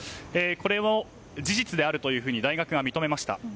これが事実であると大学側が認めました。